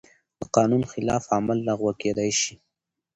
د قانون خلاف عمل لغوه کېدای شي.